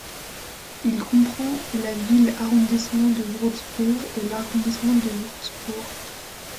Il comprend la ville-arrondissement de Wurtzbourg et l'arrondissement de Wurtzbourg.